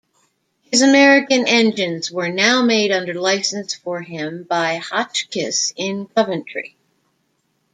His American engines were now made under licence for him by Hotchkiss in Coventry.